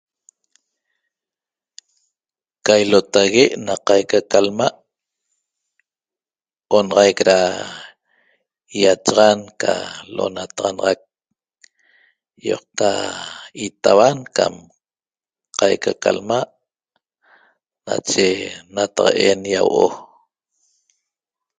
Ca ilota'ague na qaica ca lma' onaxaic ra ýachaxan ca lo'onataxanaxac ýoqta itauan cam qaica ca lma' nache nataq'en ýiahuo'o